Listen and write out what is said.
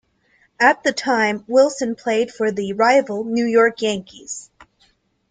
At the time, Wilson played for the rival New York Yankees.